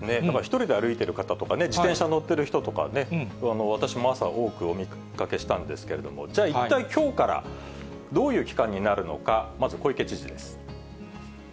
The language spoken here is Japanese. １人で歩いてる方とかね、自転車に乗ってる人とかね、私も朝、多くお見かけしたんですが、じゃあ、一体きょうからどういう期間になるのか、まず小池知事です。